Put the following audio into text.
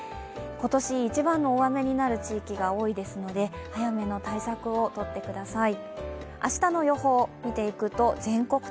今年一番の大雨になる地域が多いですので、早めの対策を取ってください。